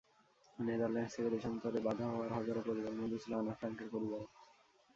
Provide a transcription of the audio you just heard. Netherlands থেকে দেশান্তরে বাধ্য হওয়া হাজারো পরিবারের মধ্যে ছিল আনা ফ্রাঙ্কের পরিবারও।